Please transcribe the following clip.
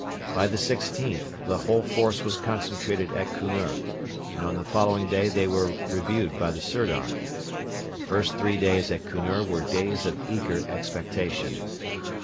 By the 16th the whole force was concentrated at Kunur, and on the following day they were reviewed by the Sirdar. The first three days at Kunur were days of eager expectation.